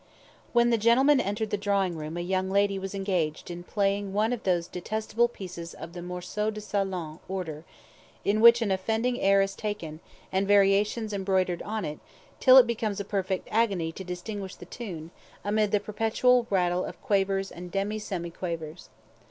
When the gentlemen entered the drawing room a young lady was engaged in playing one of those detestable pieces of the MORCEAU DE SALON order, in which an unoffending air is taken, and variations embroidered on it, till it becomes a perfect agony to distinguish the tune, amid the perpetual rattle of quavers and demi semi quavers.